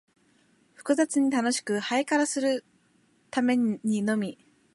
複雑に楽しく、ハイカラにするためにのみ、